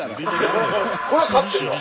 これは勝ってるわ。